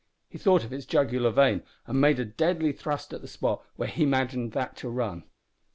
He thought of its jugular vein, and made a deadly thrust at the spot where he imagined that to run.